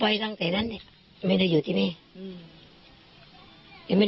ว่าฉันทำปิดอ่ะไม่บอกไม่มีเคย